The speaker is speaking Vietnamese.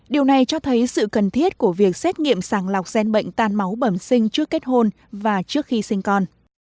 điều này cho thấy sự cần thiết của việc xét nghiệm sàng lọc gen bệnh tan máu bẩm sinh trước kết hôn và trước khi sinh con